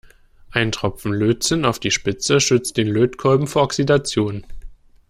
Ein Tropfen Lötzinn auf die Spitze schützt den Lötkolben vor Oxidation.